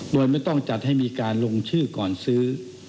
โดยไม่ต้องจัดให้มีการลงชื่อก่อนซื้อ